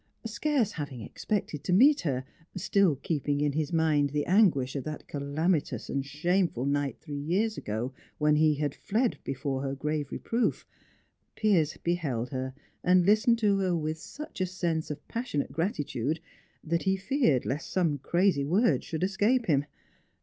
Scarce having expected to meet her, still keeping in his mind the anguish of that calamitous and shameful night three years ago when he fled before her grave reproof, Piers beheld her and listened to her with such a sense of passionate gratitude that he feared lest some crazy word should escape him.